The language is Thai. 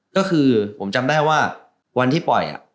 ก็คือผมจำได้ว่าวันที่ปล่อย